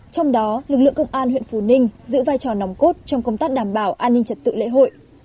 trong đó lực lượng công an huyện phù ninh giữ vai trò nòng cốt trong công tác